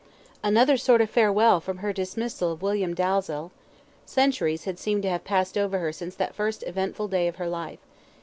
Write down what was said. Another sort of farewell from her dismissal of William Dalzell! Centuries had seemed to have passed over her since that first eventful day of her life.